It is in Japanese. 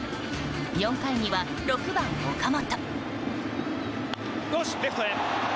４回には６番、岡本。